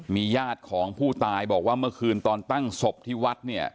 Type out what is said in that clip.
มีญาติของผู้ตายบอกว่าเมื่อคืนตอนตั้งศพที่วัดเนี่ย